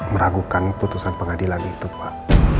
meragukan putusan pengadilan itu pak